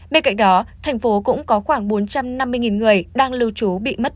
bên cạnh đó thành phố cũng có khoảng bốn trăm năm mươi người đang lưu trú bị mất